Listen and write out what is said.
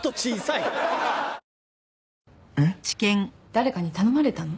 誰かに頼まれたの？